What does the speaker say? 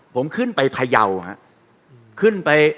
ผมขึ้นไปพายาวครับ